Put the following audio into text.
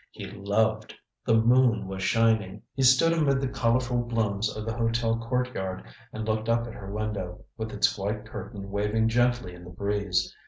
He loved! The moon was shining! He stood amid the colorful blooms of the hotel courtyard and looked up at her window, with its white curtain waving gently in the breeze.